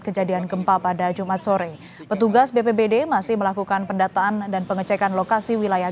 kejadian gempa pada jumat sore petugas bpbd masih melakukan pendataan dan pengecekan lokasi wilayah